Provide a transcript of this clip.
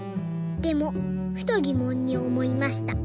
でもふとぎもんにおもいました。